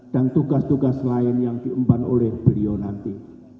dan tugas tugas lain yang diumban oleh beliau nanti